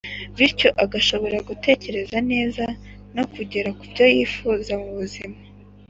bityo agashobora gutekereza neza no kugera kubyo yifuza mu buzima.